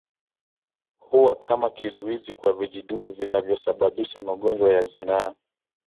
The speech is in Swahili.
Huwa kama kizuizi kwa vijidudu vinavyosababisha magonjwa ya zinaa